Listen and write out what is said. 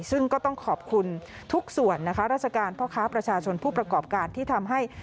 ซึ่งก็ต้องขอบคุณทุกส่วนนะคะราชการพ่อค้าประชาชนผู้ประกอบการที่ทำให้